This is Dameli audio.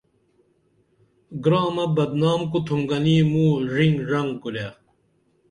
گرامہ بدنام کُتُھم گنی موں ڙِنگ ڙنگ کُرے